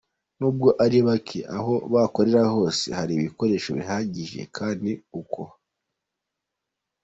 n’ubwo ari bake, aho bakorera hose hari ibikoresho bihagije, kandi uko.